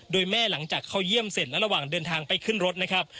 โดยแม่หลังจากเข้าเยี่ยมเสร็จและระหว่างเดินทางไปขึ้นรถนะครับ